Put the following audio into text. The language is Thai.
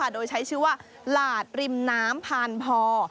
โดยใช้ชื่อว่าหลาดริมน้ำพานพอ